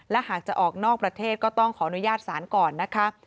และหากจะออกนอกประเทศก็ต้องขอนมยาติสรรค่ะ